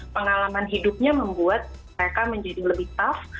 pengalaman hidupnya membuat mereka menjadi lebih tough